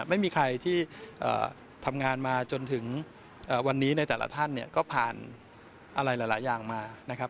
ไม่มีใครที่ทำงานมาจนถึงวันนี้ในแต่ละท่านเนี่ยก็ผ่านอะไรหลายอย่างมานะครับ